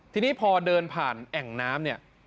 ทีนี้พอเดินผ่านแอ่งน้ำเนี่ย